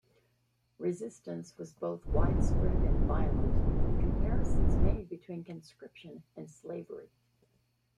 Resistance was both widespread and violent, with comparisons made between conscription and slavery.